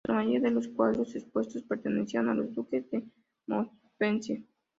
La mayoría de los cuadros expuestos pertenecían a los Duques de Montpensier.